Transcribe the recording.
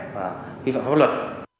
và kỹ phẩm pháp luật